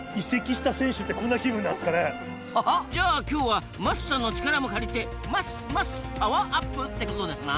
ハハッじゃあ今日は桝さんの力も借りて「ますます」パワーアップ！ってことですな。